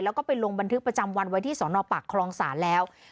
แล้วก็ไปลงบันทึกประจำวันไว้ที่สนปากคลองศาลแล้ว